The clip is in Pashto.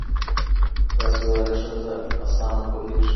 باسواده ښځه اسانه پوهيږي